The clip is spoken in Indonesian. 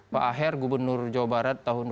pak aher gubernur jawa barat tahun dua ribu enam belas